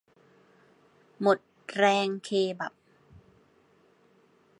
หมดแรงเคบับ